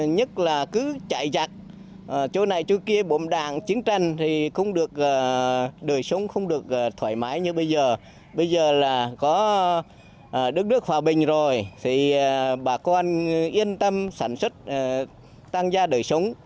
nhất là cứ chạy chặt chỗ này chỗ kia bộm đạn chiến tranh thì đời sống không được thoải mái như bây giờ